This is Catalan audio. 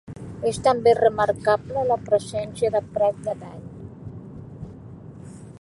És també remarcable la presència de prats de dall.